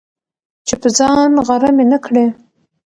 چي په ځان غره مي نه کړې،